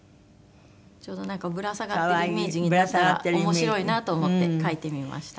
ちょうどなんかぶら下がってるイメージにできたら面白いなと思って描いてみました。